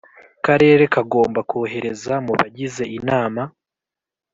Karere kagomba kohereza mu bagize Inama